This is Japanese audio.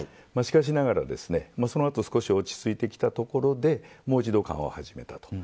しかしながら、その後少し落ち着いてきたところでもう一度緩和を始めた。